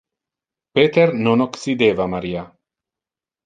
Peter non occideva Maria.